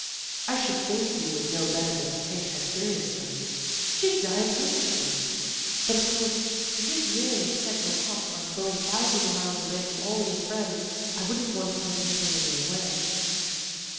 "I should think you would know better than to take her seriously. She'd die of homesick ness. But of course, if you've really set your heart on going thousands of miles away from all your friends, I wouldn't want to put any thing in your way.